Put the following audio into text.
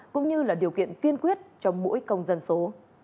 cũng như là điều kiện tiên quyết cho mỗi công dân số